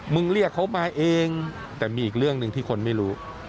เรียกเขามาเองแต่มีอีกเรื่องหนึ่งที่คนไม่รู้